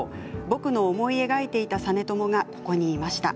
僕の思い描いていた実朝がここにいました。